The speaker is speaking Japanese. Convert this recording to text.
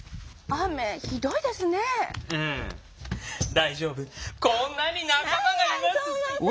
大丈夫こんなに仲間がいます。